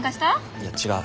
いや違う。